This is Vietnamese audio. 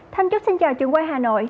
thân chúc xin chào trường quay hà nội